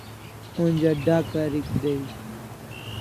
Onja d'a karik dai